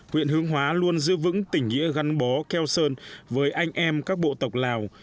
huyện hướng hóa luôn giữ vững tình nghĩa gắn bó keo sơn với anh em các bộ tộc lào